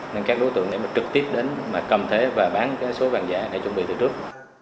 nên các đối tượng để mà trực tiếp đến mà cầm thế và bán số vàng giả để chuẩn bị từ trước